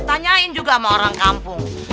tanyain juga sama orang kampung